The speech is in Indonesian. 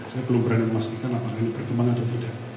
saya belum berani memastikan apakah ini berkembang atau tidak